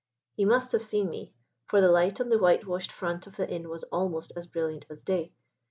He must have seen me, for the light on the whitewashed front of the inn was almost as brilliant as day.